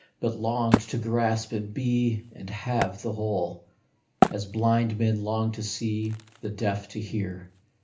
But longed to grasp and be and have the whole, As blind men long to see, the deaf to hear.